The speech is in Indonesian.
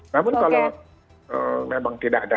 jadi kalau memang tidak ada